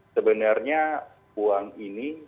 sebenarnya uang ini